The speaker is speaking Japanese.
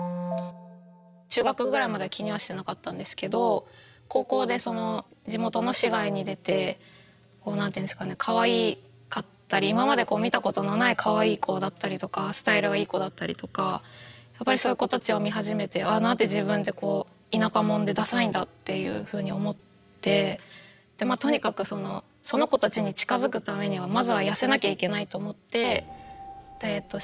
中学ぐらいまでは気にはしてなかったんですけど高校で地元の市外に出て何ていうんですかねかわいかったり今まで見たことのないかわいい子だったりとかスタイルがいい子だったりとかやっぱりそういう子たちを見始めてああなんて自分って田舎者でダサいんだっていうふうに思ってとにかくその子たちに近づくためにはまずは痩せなきゃいけないと思ってダイエットして。